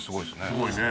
すごいね